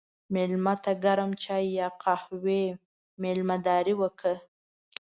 مېلمه ته د ګرم چای یا قهوې میلمهداري وکړه.